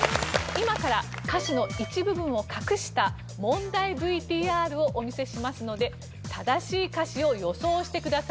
今から歌詞の一部分を隠した問題ＶＴＲをお見せしますので正しい歌詞を予想してください。